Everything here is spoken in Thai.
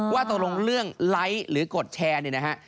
ว่าตกลงเรื่องไลค์หรือกดแชร์เนี่ยนะฮะ